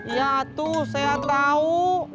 ya tuh saya tau